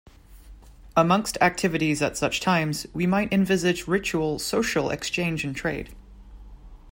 Amongst activities at such times, we might envisage ritual, social exchange and trade.